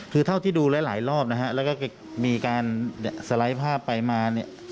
คือเท่าที่ดูหลายรอบนะฮะแล้วก็มีการสไลด์ภาพไปมาเนี่ย